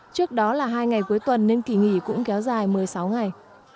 trước đó là hai ngày cuối tuần nên kỳ nghỉ cũng kéo dài một mươi sáu ngày